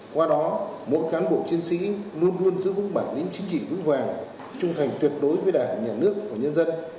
qua đó mỗi cán bộ chiến sĩ luôn luôn giữ vững bản lĩnh chính trị vững vàng trung thành tuyệt đối với đảng nhà nước và nhân dân